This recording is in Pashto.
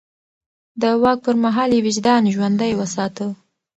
د واک پر مهال يې وجدان ژوندی وساته.